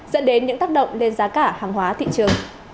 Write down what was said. dẫn đến những tác động lên giá cả hàng hóa thị trường